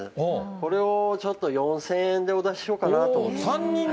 これをちょっと４０００円でお出ししようかなと。